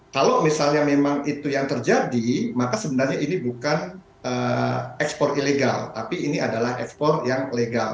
kalau misalnya memang itu yang terjadi maka sebenarnya ini bukan ekspor ilegal tapi ini adalah ekspor yang legal